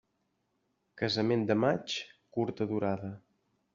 Casament de maig, curta durada.